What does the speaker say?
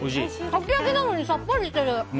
かき揚げなのにさっぱりしてる！